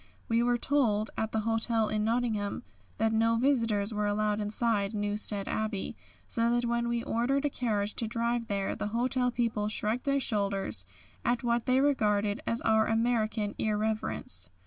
We were told, at the hotel in Nottingham, that no visitors were allowed inside Newstead Abbey, so that when we ordered a carriage to drive there the hotel people shrugged their shoulders at what they regarded as our American irreverence.